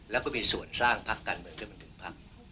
แล้วก็มีส่วนสร้างภาคการเมืองด้วยเป็นหนึ่งภาค